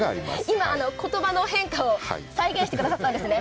今、言葉の変化を再現してくださったんですね。